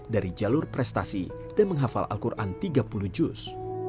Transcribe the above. dari jalur prestasi dan menghafal al quran tiga puluh juz